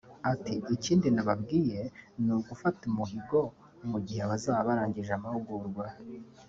Ati "Ikindi nababwiye ni ugufata umuhigo mu gihe bazaba barangije amahugurwa